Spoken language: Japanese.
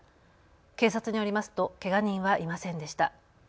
警察によりますとけが人はいませんでした。